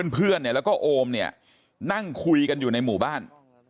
เพื่อนเนี่ยแล้วก็โอมเนี่ยนั่งคุยกันอยู่ในหมู่บ้าน